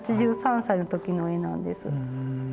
８３歳の時の絵なんです。